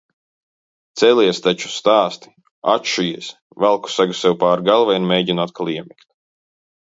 Celies taču! Stāsti! Atšujies, velku segu sev pāri galvai un mēģinu atkal iemigt.